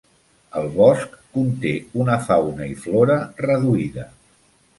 El bosc conté una fauna i flora reduïda.